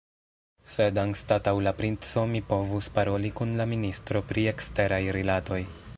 Sed anstataŭ la princo, mi povus paroli kun la ministro pri eksteraj rilatoj.